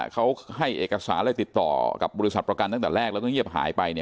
เขาให้เอกสารอะไรติดต่อกับบริษัทประกันตั้งแต่แรกแล้วก็เงียบหายไป